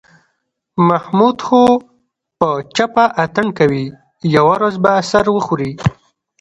محمود خو په چپه اتڼ کوي، یوه ورځ به سر وخوري.